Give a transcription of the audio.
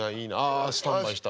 あスタンバイした。